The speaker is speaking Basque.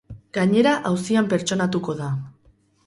Gainera, auzian pertsonatuko da.